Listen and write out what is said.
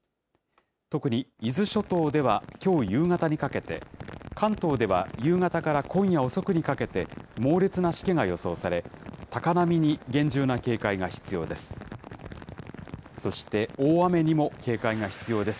特に伊豆諸島ではきょう夕方にかけて、関東では夕方から今夜遅くにかけて、猛烈なしけが予想され、高波に厳重な警戒が必要です。